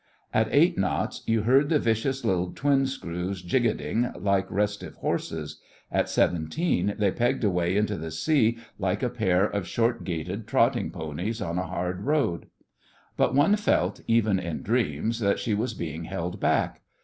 At eight knots you heard the vicious little twin screws jigitting like restive horses; at seventeen they pegged away into the sea like a pair of short gaited trotting ponies on a hard road. But one felt, even in dreams, that she was being held back.